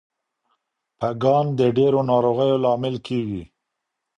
پګان د ډیرو ناروغیو لامل کیږي.